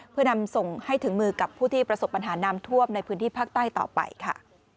เพื่อนำส่งให้ถึงมือกับผู้ที่ประสบปัญหาน้ำท่วมในพื้นที่ภาคใต้ต่อไปค่ะ